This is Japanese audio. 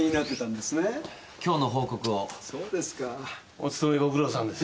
お務めご苦労さまです。